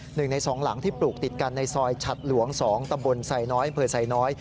หนึ่งในสองหลังที่ปลูกติดกันในซอยชัดหลวง๒ตะบลใส่น้อยเผลอใส่น้อย